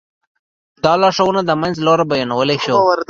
دا لارښوونه د منځ لاره بيانولی شو.